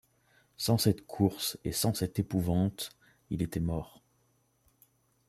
Sans cette course et sans cette épouvante, il était mort.